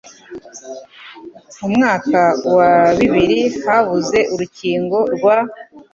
Mu mwaka wa bibirihabuze urukingo rwa